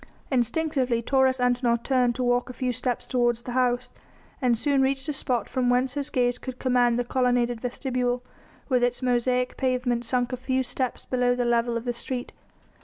Instinctively Taurus Antinor turned to walk a few steps toward the house, and soon reached a spot from whence his gaze could command the colonnaded vestibule, with its mosaic pavement sunk a few steps below the level of the street.